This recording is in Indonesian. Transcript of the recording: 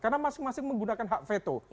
karena masing masing menggunakan hak veto